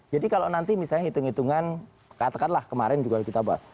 jadi kalau nanti misalnya hitung hitungan katakanlah kemarin juga kita bahas